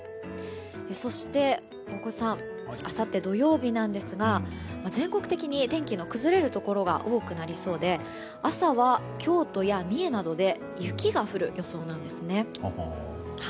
そして、大越さんあさって土曜日なんですが全国的に天気の崩れるところが多くなりそうで朝は京都や三重などで雪が降る予想なんですね。